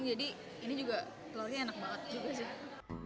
jadi ini juga telurnya enak banget juga sih